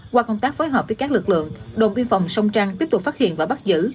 qua công tác phối hợp với các lực lượng đồn biên phòng sông trăng tiếp tục phát hiện và bắt giữ